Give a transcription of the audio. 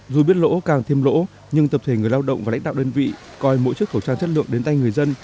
dù biết lỗ càng thêm lỗ nhưng tập thể người lao động và lãnh đạo đơn vị coi mỗi chiếc khẩu trang chất lượng đến tay người dân